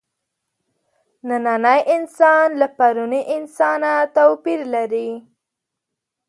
نننی انسان له پروني انسانه توپیر لري.